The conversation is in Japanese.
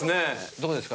どうですか？